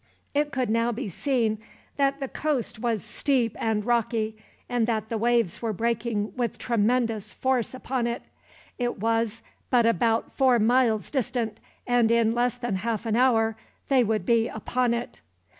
It could now be seen that the coast was steep and rocky, and that the waves were breaking with tremendous force upon it. It was but about four miles distant, and in less than half an hour they would be upon it.